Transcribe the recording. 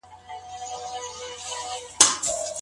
فارمسي پوهنځۍ په ناسمه توګه نه رهبري کیږي.